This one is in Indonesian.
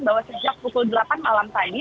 bahwa sejak pukul delapan malam tadi